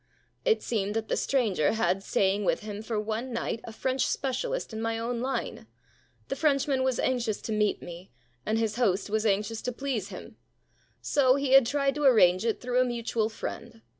It seemed that the stranger had staying with him for one night a French specialist in my own line. The Frenchman was anxious to meet me, and his host was anxious to please him. So he had tried to arrange it through a mutual friend.